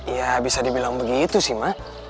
ya bisa dibilang begitu sih mak